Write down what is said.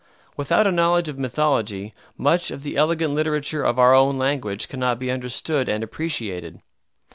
Without a knowledge of mythology much of the elegant literature of our own language cannot be understood and appreciated.